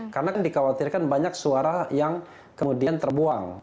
karena dikhawatirkan banyak suara yang kemudian terbuang